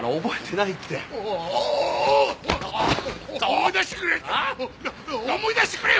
なあ思い出してくれよ！